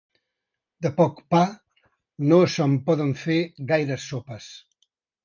De poc pa, no se'n poden fer gaires sopes.